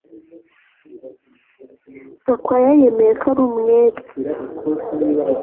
Gakwaya yemeye ko ari umwere